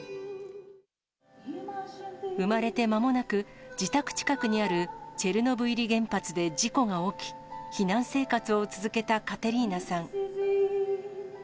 生まれてまもなく、自宅近くにあるチェルノブイリ原発で事故が起き、避難生活を続けたカテリーナさん。